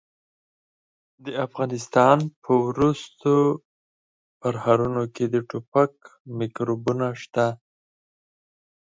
د افغانستان په ورستو پرهرونو کې د ټوپک میکروبونه شته.